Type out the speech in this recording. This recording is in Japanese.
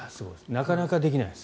なかなかできないです。